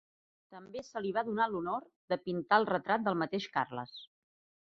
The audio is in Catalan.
També se li va donar l'honor de pintar el retrat del mateix Carles.